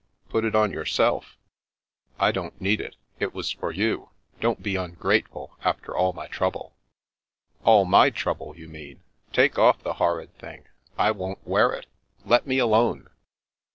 Put it on yourself." "I don't need it. It was for you. Don't be ungrateful, after all my trouble." " All my trouble, you mean. Take off the horrid thing. I won't wear it. Let me alone."